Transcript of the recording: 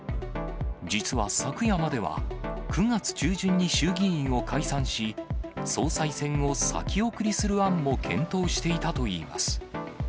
実は昨夜までは、９月中旬に衆議院を解散し、総裁選を先送りする案も検討していたといいます。